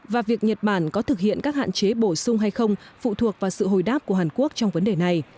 và việc nhật bản có thực hiện các hạn chế bổ sung hay không phụ thuộc vào sự hồi đáp của hàn quốc trong vấn đề này